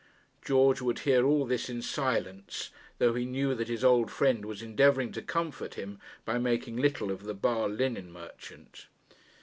George would hear all this in silence, though he knew that his old friend was endeavouring to comfort him by making little of the Basle linen merchant.